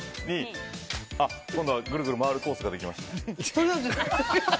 今度はぐるぐる回るコースから行きました。